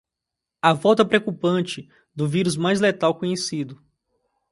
A volta preocupante do vírus mais letal conhecido